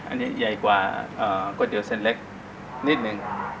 อันนี้ใหญ่กว่าก๋วยเตี๋ยวเส้นเล็กนิดนึง